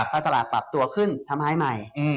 ถ้าตลาดปรับตัวขึ้นทำให้ใหม่